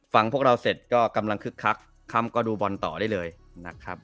พวกเราเสร็จก็กำลังคึกคักค่ำก็ดูบอลต่อได้เลยนะครับ